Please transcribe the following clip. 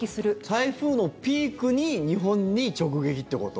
台風のピークに日本に直撃ってこと？